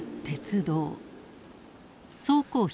総工費